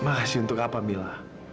makasih untuk apa mila